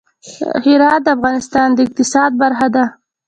هرات د افغانستان د اقتصاد برخه ده.